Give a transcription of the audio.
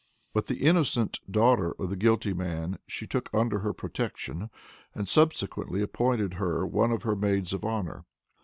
But the innocent daughter of the guilty man she took under her protection, and subsequently appointed her one of her maids of honor.